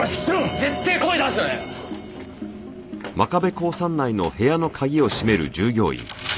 絶対声出すなよ！